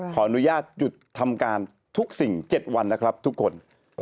ขออนุญาตหยุดทำการทุกสิ่ง๗วันนะครับทุกคน